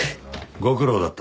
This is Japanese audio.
ご苦労だった。